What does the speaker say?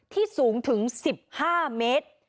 สูงถึง๑๕เมตร